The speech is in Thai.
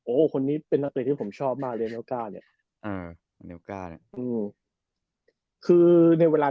โอ้คนนี้เป็นนักเด็กที่ผมชอบมาเลย